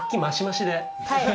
はい。